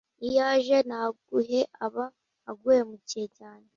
iyo aje ntaguhe aba aguhemukiye cyane